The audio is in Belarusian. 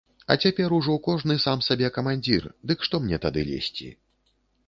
А цяпер ужо кожны сам сабе камандзір, дык што мне тады лезці.